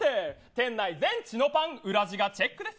店内全チノパン裏地がチェックです。